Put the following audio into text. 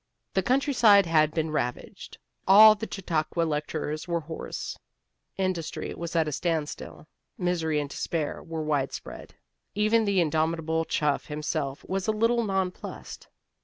The countryside had been ravaged, all the Chautauqua lecturers were hoarse, industry was at a standstill, misery and despair were widespread. Even the indomitable Chuff himself was a little nonplussed.